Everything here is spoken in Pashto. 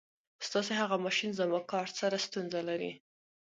ستاسې هغه ماشین زما کارټ سره ستونزه لري.